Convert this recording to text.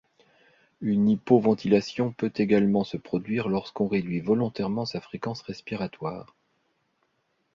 Une hypoventilation peut également se produire lorsqu'on réduit volontairement sa fréquence respiratoire.